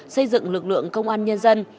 xây dựng lực lượng công an nhân dân